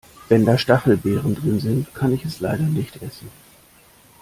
Wenn da Stachelbeeren drin sind, kann ich es leider nicht essen.